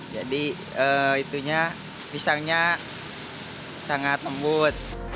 jadi pisangnya sangat lembut